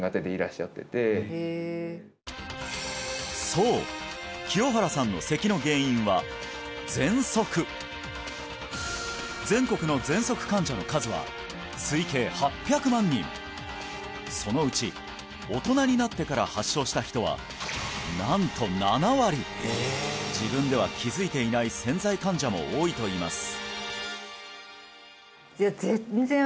そう清原さんの咳の原因は喘息全国のそのうち大人になってから発症した人はなんと７割自分では気づいていない潜在患者も多いといいます